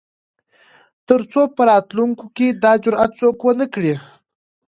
تر څو په راتلونکو کې دا جرات څوک ونه کړي.